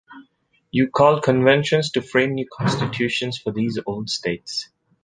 You called Conventions to frame new Constitutions for these old States.